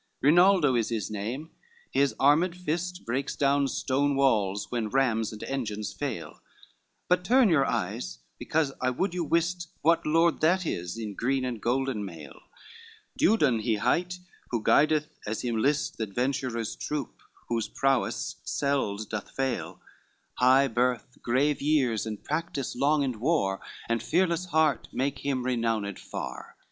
XXXIX "Rinaldo is his name, his armed fist Breaks down stone walls, when rams and engines fail, But turn your eyes because I would you wist What lord that is in green and golden mail, Dudon he hight who guideth as him list The adventurers' troop whose prowess seld doth fail, High birth, grave years, and practise long in war, And fearless heart, make him renowned far.